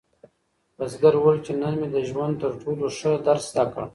بزګر وویل چې نن مې د ژوند تر ټولو ښه درس زده کړ.